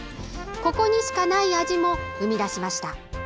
ここにしかない味も生み出しました。